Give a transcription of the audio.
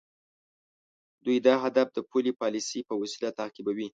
دوی دا هدف د پولي پالیسۍ په وسیله تعقیبوي.